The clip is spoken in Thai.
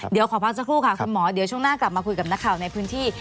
เดี๋ยวขอพักสักครู่ค่ะคุณหมอเดี๋ยวช่วงหน้ากลับมาคุยกับนักข่าวในพื้นที่